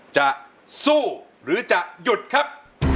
จะสู้หรือจะหยุดครับ